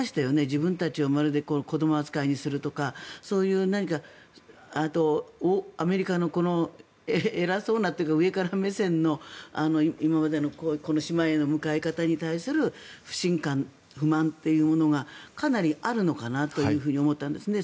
自分たちをまるで子ども扱いするとかそういう何かあとアメリカの偉そうなというか上から目線の今までのこの島への向かい方に対する不信感、不満というものがかなりあるのかなと思ったんですね。